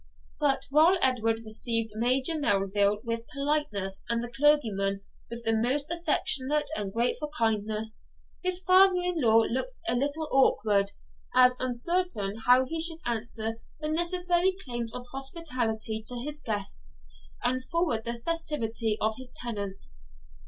But, while Edward received Major Melville with politeness and the clergyman with the most affectionate and grateful kindness, his father in law looked a little awkward, as uncertain how he should answer the necessary claims of hospitality to his guests, and forward the festivity of his tenants.